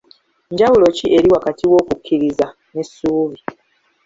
Njawulo ki eri wakati w'okukkiriza n'essuubi?